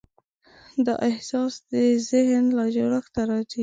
دا احساس د ذهن له جوړښت راځي.